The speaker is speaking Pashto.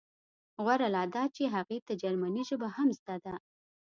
غوره لا دا چې هغې ته جرمني ژبه هم زده ده